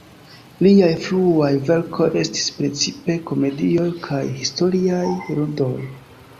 Liaj fruaj verkoj estis precipe komedioj kaj historiaj ludoj.